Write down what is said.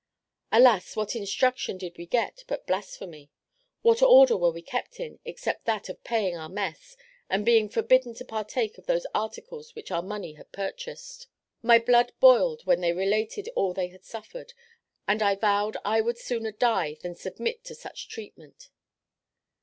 Alas! what instruction did we get but blasphemy? What order were we kept in, except that of paying our mess, and being forbidden to partake of those articles which our money had purchased? My blood boiled when they related all they had suffered, and I vowed I would sooner die than submit to such treatment.